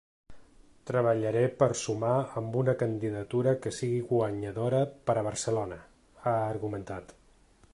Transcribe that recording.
Treballaré per sumar amb una candidatura que sigui guanyadora per a Barcelona, ha argumentat.